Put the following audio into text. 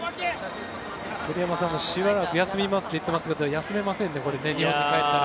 栗山さんもしばらく休みますって言ってますけど休めませんね、日本に帰ったら。